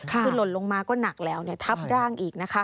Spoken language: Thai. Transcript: คือหล่นลงมาก็หนักแล้วทับร่างอีกนะคะ